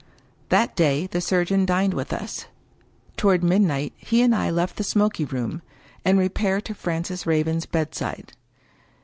That day the surgeon dined with us. Toward midnight he and I left the smoking room, and repaired to Francis Raven's bedside.